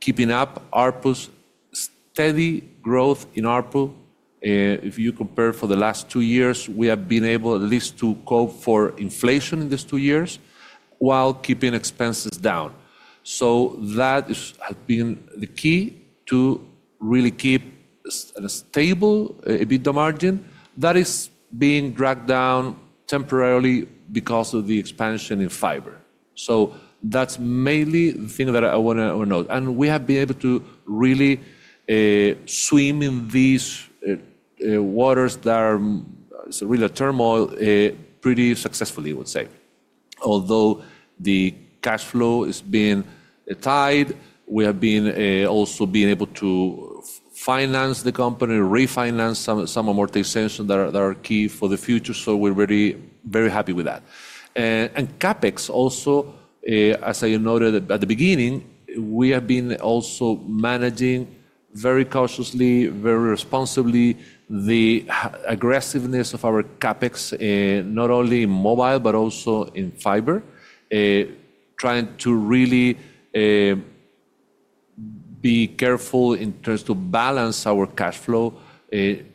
keeping up ARPU's steady growth in ARPU. If you compare for the last two years, we have been able at least to cope for inflation in these two years while keeping expenses down. That has been the key to really keep a stable EBITDA margin that is being dragged down temporarily because of the expansion in fiber. That's mainly the thing that I want to note. We have been able to really swim in these waters that are really a turmoil pretty successfully, I would say. Although the cash flow has been tight, we have also been able to finance the company, refinance some amortizations that are key for the future. We're very, very happy with that. CapEx also, as I noted at the beginning, we have been also managing very cautiously, very responsibly the aggressiveness of our CapEx, not only in mobile, but also in fiber, trying to really be careful in terms to balance our cash flow,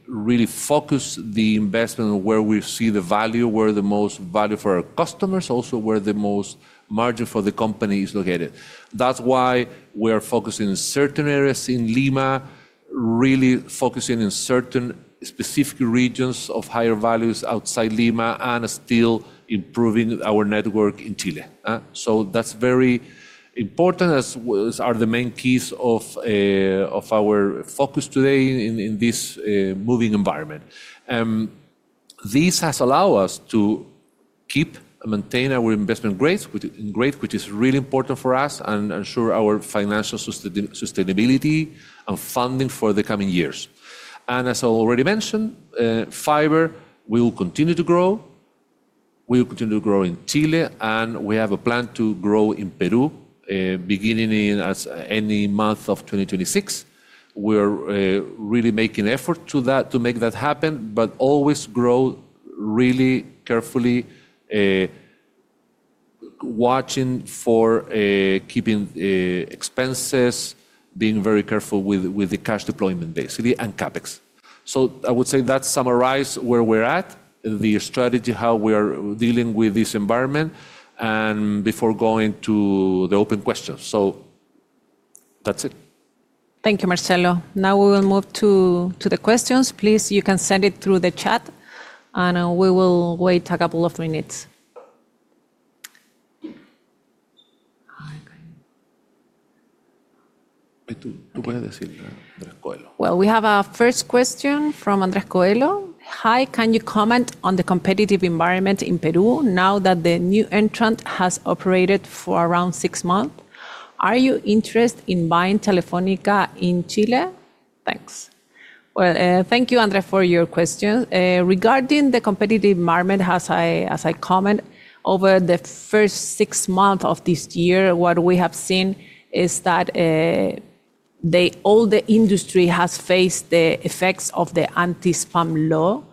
really focus the investment where we see the value, where the most value for our customers, also where the most margin for the company is located. That's why we are focusing in certain areas in Lima, really focusing in certain specific regions of higher values outside Lima, and still improving our network in Chile. That's very important. Those are the main keys of our focus today in this moving environment. This has allowed us to keep and maintain our investment grade, which is really important for us and ensure our financial sustainability and funding for the coming years. As I already mentioned, fiber, we will continue to grow. We will continue to grow in Chile, and we have a plan to grow in Peru, beginning in any month of 2026. We're really making efforts to make that happen, but always grow really carefully, watching for keeping expenses, being very careful with the cash deployment, basically, and CapEx. I would say that summarizes where we're at, the strategy, how we are dealing with this environment, and before going to the open questions. That's it. Thank you, Marcelo. Now we will move to the questions. Please, you can send it through the chat, and we will wait a couple of minutes. We have a first question from Andrés Coelho. Hi, can you comment on the competitive environment in Peru now that the new entrant has operated for around six months? Are you interested in buying Telefónica in Chile? Thanks. Thank you, Andrés, for your question. Regarding the competitive environment, as I comment, over the first six months of this year, what we have seen is that all the industry has faced the effects of the anti-spam laws.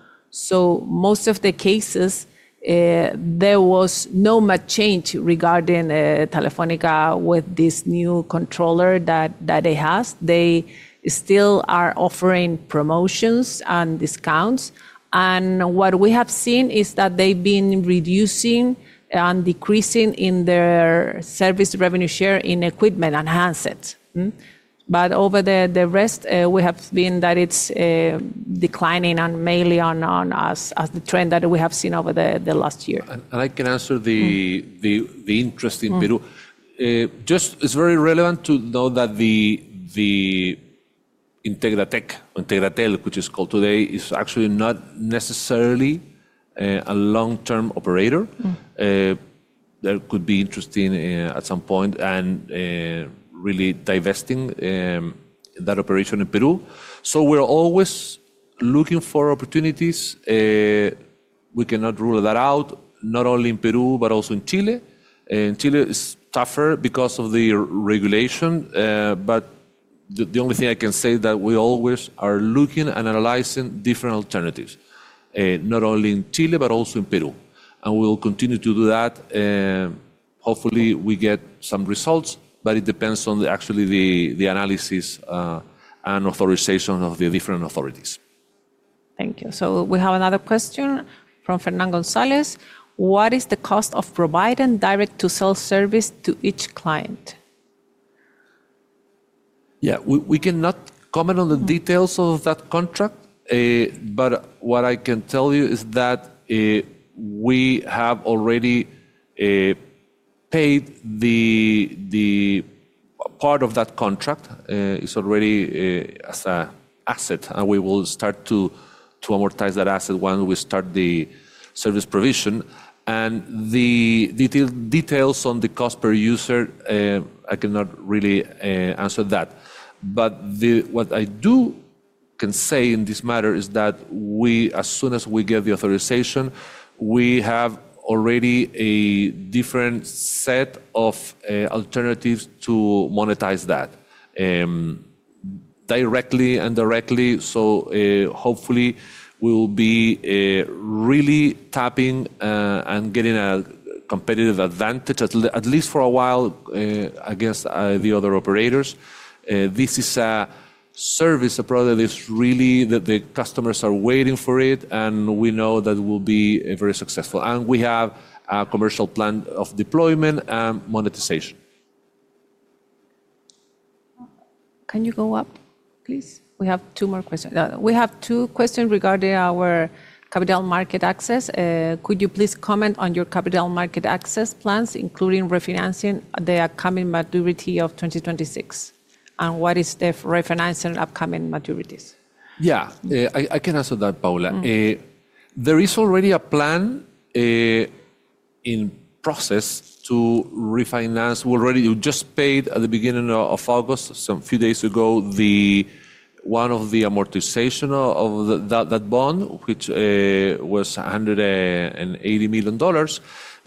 In most cases, there was not much change regarding Telefónica with this new controller that it has. They still are offering promotions and discounts. What we have seen is that they've been reducing and decreasing their service revenue share in equipment and handsets. Over the rest, we have seen that it's declining and mainly on the trend that we have seen over the last year. I can answer the interest in Peru. It's very relevant to know that Integra Tech, Integratel, which is called today, is actually not necessarily a long-term operator. There could be interest at some point in really divesting that operation in Peru. We're always looking for opportunities. We cannot rule that out, not only in Peru, but also in Chile. In Chile, it's tougher because of the regulation. The only thing I can say is that we always are looking and analyzing different alternatives, not only in Chile, but also in Peru. We will continue to do that. Hopefully, we get some results, but it depends on the analysis and authorization of the different authorities. Thank you. We have another question from Fernand Gonzalez. What is the cost of providing direct-to-cell service to each client? Yeah, we cannot comment on the details of that contract, but what I can tell you is that we have already paid the part of that contract. It's already as an asset, and we will start to amortize that asset when we start the service provision. The details on the cost per user, I cannot really answer that. What I do can say in this matter is that as soon as we get the authorization, we have already a different set of alternatives to monetize that directly and indirectly. Hopefully, we will be really tapping and getting a competitive advantage, at least for a while, against the other operators. This is a service approach that is really, the customers are waiting for it, and we know that it will be very successful. We have a commercial plan of deployment and monetization. Can you go up, please? We have two more questions. We have two questions regarding our capital market access. Could you please comment on your capital market access plans, including refinancing the upcoming maturity of 2026? What is the refinancing upcoming maturities? Yeah, I can answer that, Paula. There is already a plan in process to refinance. We already just paid at the beginning of August, a few days ago, one of the amortizations of that bond, which was $180 million.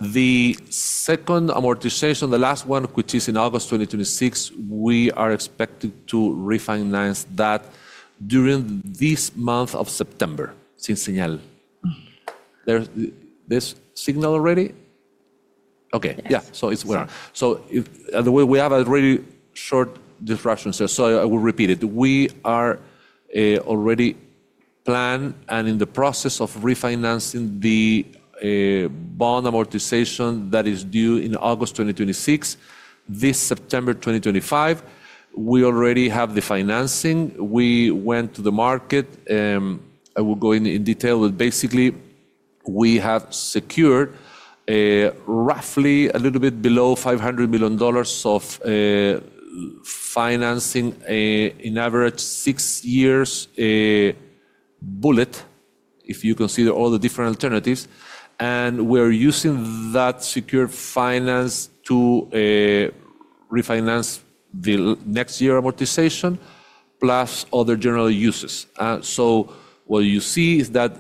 The second amortization, the last one, which is in August 2026, we are expected to refinance that during this month of September. This signal already? Okay, yeah. It's well. The way we have a really short disruption session. I will repeat it. We are already planned and in the process of refinancing the bond amortization that is due in August 2026. This September 2025, we already have the financing. We went to the market. I will go in detail, but basically, we have secured roughly a little bit below $500 million of financing in average six years bullet, if you consider all the different alternatives. We're using that secured finance to refinance the next year amortization plus other general uses. What you see is that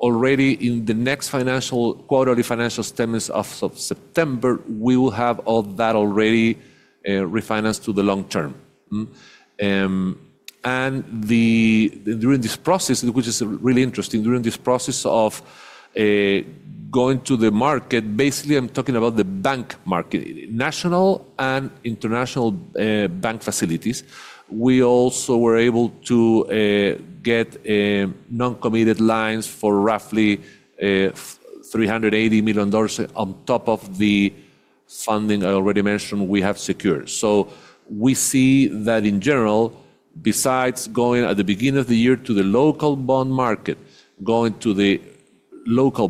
already in the next financial quarter, the financial statements of September, we will have all that already refinanced to the long term. During this process, which is really interesting, during this process of going to the market, basically, I'm talking about the bank market, national and international bank facilities. We also were able to get non-committed lines for roughly $380 million on top of the funding I already mentioned we have secured. We see that in general, besides going at the beginning of the year to the local bond market, going to the local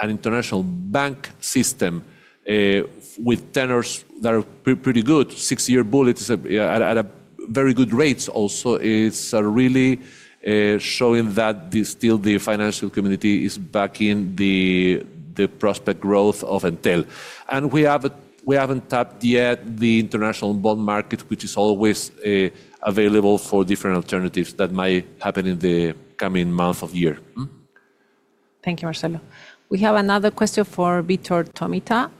and international bank system with tenors that are pretty good, six-year bullets at very good rates also, it's really showing that still the financial community is backing the prospect growth of Entel. We haven't tapped yet the international bond market, which is always available for different alternatives that might happen in the coming month of year. Thank you, Marcelo. We have another question for Victor Tomita.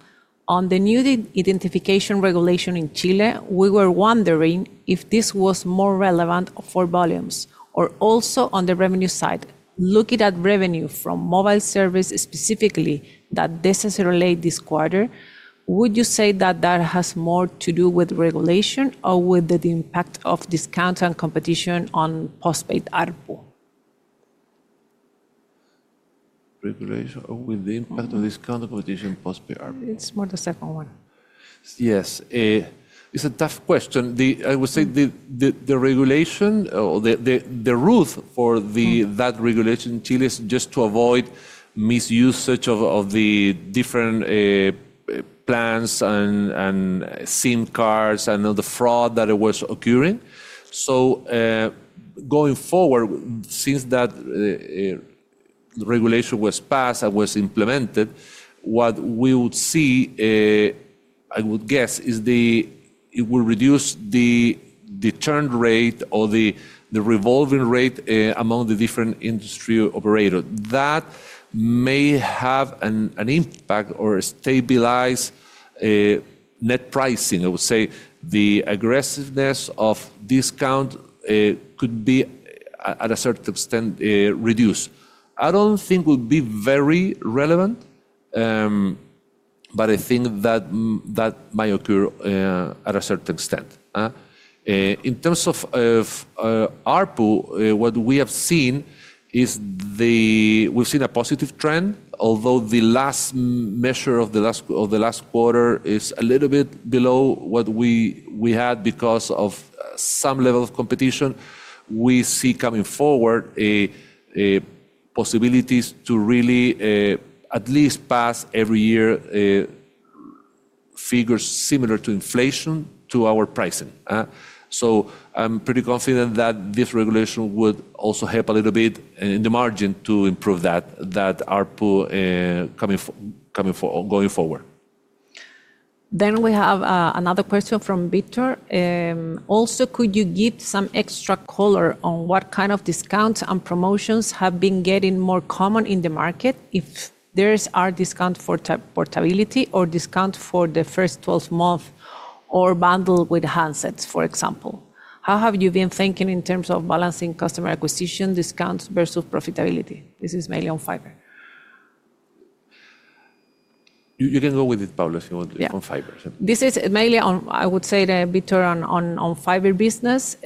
On the new identification regulation in Chile, we were wondering if this was more relevant for volumes or also on the revenue side. Looking at revenue from mobile services specifically that decelerated this quarter, would you say that that has more to do with regulation or with the impact of discounts and competition on postpaid ARPU? Regulation or with the impact of discount competition on postpaid ARPU? It's more the second one. Yes. It's a tough question. I would say the regulation or the rules for that regulation in Chile is just to avoid misuse of the different plans and SIM cards and all the fraud that it was occurring. Going forward, since that the regulation was passed and was implemented, what we would see, I would guess, is it will reduce the churn rate or the revolving rate among the different industry operators. That may have an impact or stabilize net pricing. I would say the aggressiveness of discount could be, at a certain extent, reduced. I don't think it would be very relevant, but I think that that might occur at a certain extent. In terms of ARPU, what we have seen is we've seen a positive trend, although the last measure of the last quarter is a little bit below what we had because of some level of competition. We see coming forward possibilities to really at least pass every year figures similar to inflation to our pricing. I'm pretty confident that this regulation would also help a little bit in the margin to improve that ARPU going forward. We have another question from Victor. Also, could you give some extra color on what kind of discounts and promotions have been getting more common in the market, if there are discounts for portability or discounts for the first 12 months or bundle with handsets, for example? How have you been thinking in terms of balancing customer acquisition discounts versus profitability? This is mainly on fiber. You can go with it, Paula, if you want. It's on fiber. This is mainly on, I would say, Victor, on fiber business.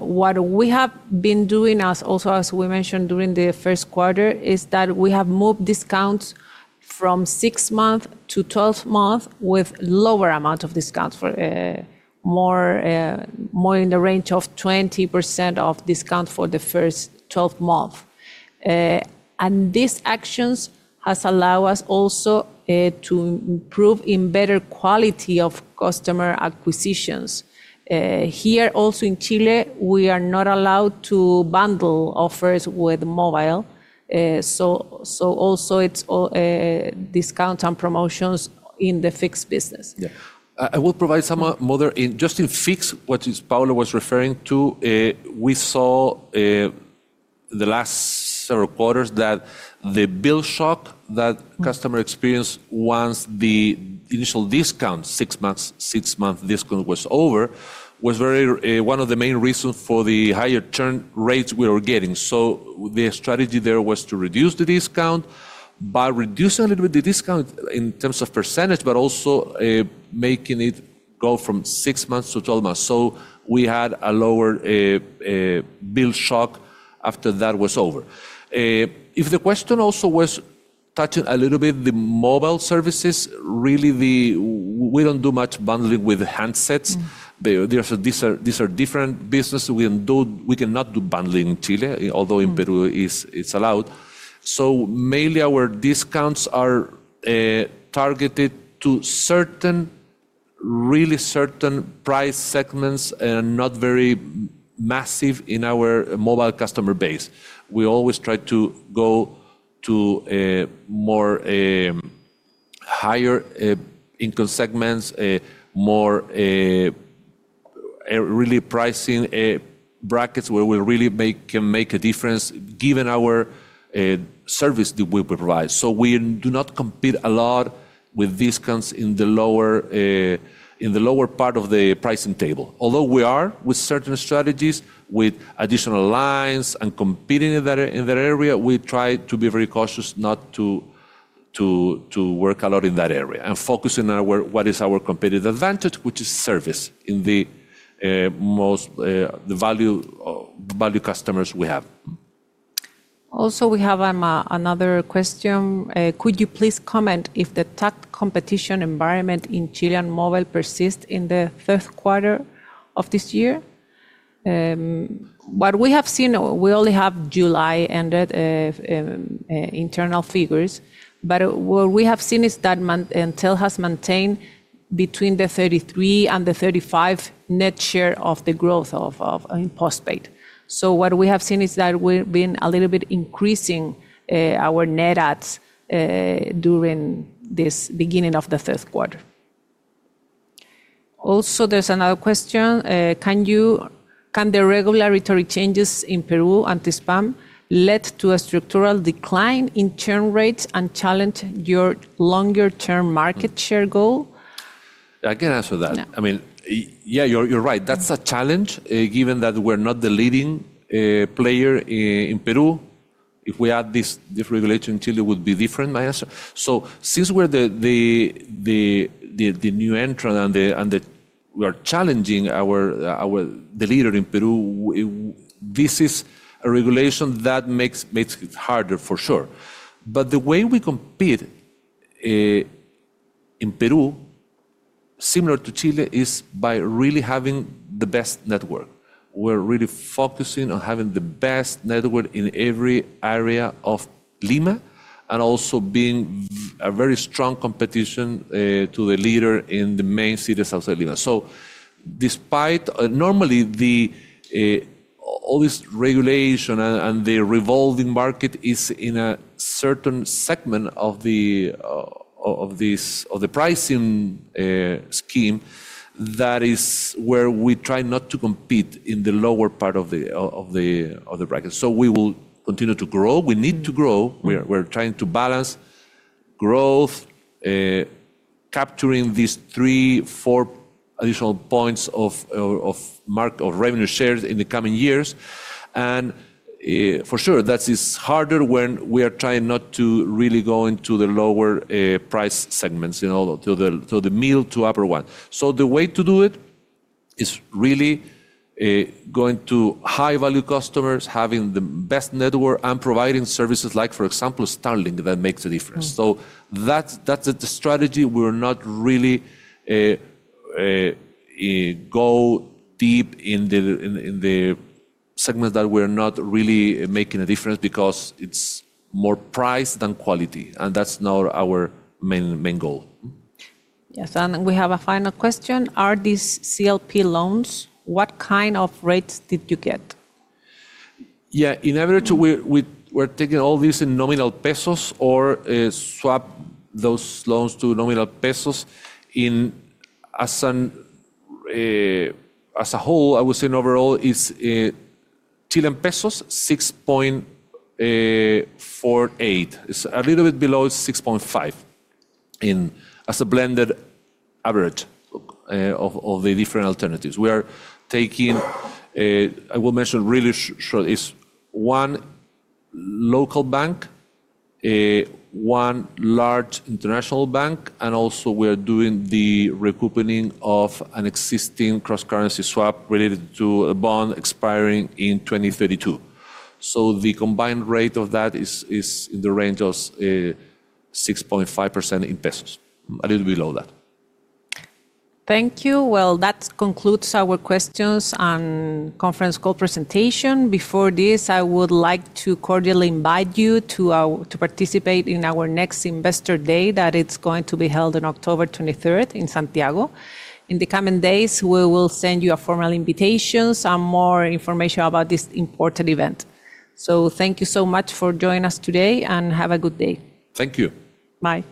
What we have been doing, as also as we mentioned during the first quarter, is that we have moved discounts from six months to 12 months, with a lower amount of discounts for more in the range of 20% of discounts for the first 12 months. These actions have allowed us also to improve in better quality of customer acquisitions. Here also in Chile, we are not allowed to bundle offers with mobile. It is also discounts and promotions in the fixed business. Yeah. I will provide some other, just in fixed, what Paula was referring to. We saw the last several quarters that the bill shock that customers experienced once the initial discount, six months discount, was over, was really one of the main reasons for the higher churn rates we were getting. The strategy there was to reduce the discount by reducing a little bit the discount in terms of percentage, but also making it go from six months to 12 months. We had a lower bill shock after that was over. If the question also was touching a little bit the mobile services, really, we don't do much bundling with handsets. These are different businesses we can do. We cannot do bundling in Chile, although in Peru it's allowed. Mainly our discounts are targeted to certain, really certain price segments and not very massive in our mobile customer base. We always try to go to more higher income segments, more really pricing brackets where we really can make a difference given our service that we provide. We do not compete a lot with discounts in the lower, in the lower part of the pricing table. Although we are with certain strategies, with additional lines and competing in that area, we try to be very cautious not to work a lot in that area and focus on what is our competitive advantage, which is service in the most, the value customers we have. Also, we have another question. Could you please comment if the competition environment in Chilean mobile persists in the third quarter of this year? What we have seen, we only have July ended internal figures, but what we have seen is that Entel has maintained between the 33% and the 35% net share of the growth in postpaid. What we have seen is that we've been a little bit increasing our net ads during this beginning of the third quarter. Also, there's another question. Can the regulatory changes in Peru anti-spam led to a structural decline in churn rates and challenge your longer-term market share goal? I can answer that. Yeah, you're right. That's a challenge given that we're not the leading player in Peru. If we add this regulation in Chile, it would be different, I guess. Since we're the new entrant and we are challenging the leader in Peru, this is a regulation that makes it harder for sure. The way we compete in Peru, similar to Chile, is by really having the best network. We're really focusing on having the best network in every area of Lima and also being a very strong competition to the leader in the main cities, also Lima. Despite normally all this regulation and the revolving market is in a certain segment of the pricing scheme, that is where we try not to compete in the lower part of the bracket. We will continue to grow. We need to grow. We're trying to balance growth, capturing these three, four additional points of revenue shares in the coming years. For sure, that is harder when we are trying not to really go into the lower price segments, you know, to the middle to upper one. The way to do it is really going to high-value customers, having the best network and providing services like, for example, Starlink that makes a difference. That's the strategy. We're not really going deep in the segment that we're not really making a difference because it's more price than quality. That's not our main goal. Yes. We have a final question. Are these CLP loans? What kind of rates did you get? Yeah, inevitably, we're taking all these in nominal pesos or swapped those loans to nominal pesos. As a whole, I would say overall Chilean pesos is 6.48. It's a little bit below 6.5 as a blended average of the different alternatives. We are taking, I will mention really shortly, it's one local bank, one large international bank, and also we are doing the recoupling of an existing cross-currency swap related to a bond expiring in 2032. The combined rate of that is in the range of 6.5% in pesos, a little below that. Thank you. That concludes our questions and conference call presentation. Before this, I would like to cordially invite you to participate in our next Investor Day that is going to be held on October 23 in Santiago. In the coming days, we will send you a formal invitation and more information about this important event. Thank you so much for joining us today and have a good day. Thank you. Bye.